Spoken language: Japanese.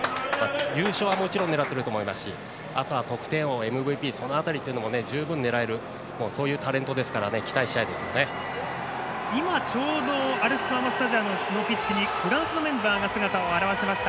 優勝は狙っていると思いますしあとは得点王とかＭＶＰも十分狙えるそういうタレントですから今、ちょうどアルスマーマスタジアムのピッチにフランスのメンバーが姿を現しました。